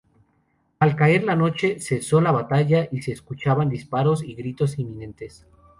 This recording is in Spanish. Al caer la noche cesó la batalla, y se escuchaban disparos y gritos intermitentes.